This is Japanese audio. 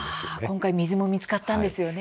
今回、水も見つかったんですよね？